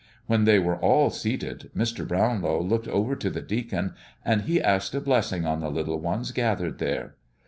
When they were all seated, Mr. Brownlow looked over to the deacon, and he asked a blessing on the little ones gathered there.